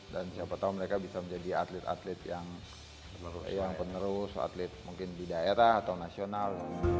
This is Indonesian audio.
dan siapa tau mereka bisa menjadi atlet atlet yang penerus atlet mungkin di daerah atau nasional